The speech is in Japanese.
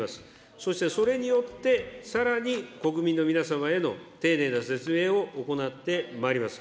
そしてそれによって、さらに国民の皆様への丁寧な説明を行ってまいります。